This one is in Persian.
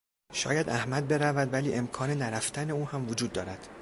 شاید احمد برود ولی امکان نرفتن او هم وجود دارد.